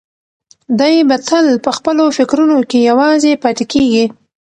دی به تل په خپلو فکرونو کې یوازې پاتې کېږي.